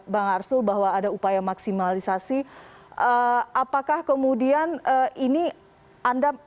bang arsul bahwa ada upaya maksimalisasi apakah kemudian ini anda